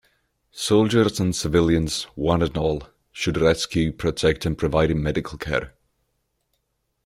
Soldiers and civilians, one and all, should rescue, protect, and provide him medical care.